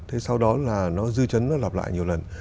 thế sau đó là nó dư chấn nó lặp lại nhiều lần